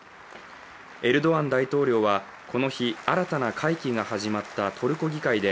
エルドアン大統領はこの日新たな会期が始まったトルコ議会で